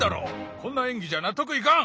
こんな演技じゃ納得いかん！